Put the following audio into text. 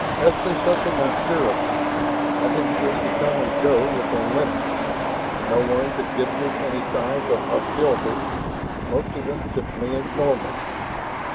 "Ask me something I'm sure of. I've been free to come and go within limits. No one's exhibited any signs of hostility; most of them simply ignore me.